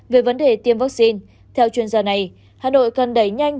về vấn đề tiêm vaccine theo chuyên gia này hà nội cần đẩy nhanh